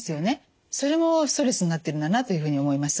それもストレスになってるんだなというふうに思います。